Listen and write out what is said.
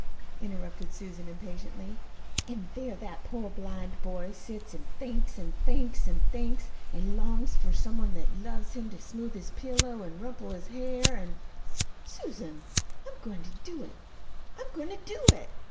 interrupted Susan impatiently. "An' there that poor blind boy sets an' thinks an' thinks an' thinks, an' longs for some one that loves him to smooth his pillow an' rumple his hair, an' " "Susan, I'm going to do it. I'M GOING TO DO IT!"